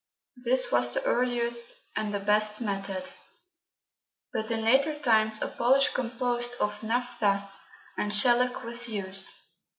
This was the earliest and the best method, but in later times a polish composed of naphtha and shellac was used.